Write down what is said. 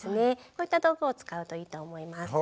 こういった道具を使うといいと思います。